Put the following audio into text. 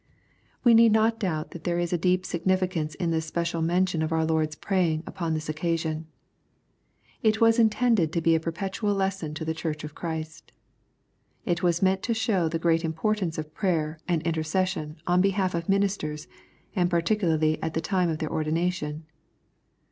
We need not doubt that there is a deep significance in this special mention of our Lord's praying upon this occasion. It was intended to be a perpetual lesson to the Church of Christ. It was meant to show the groat importance of prayer and intercession on behalf of min isters, and particularly at the time of their ordination.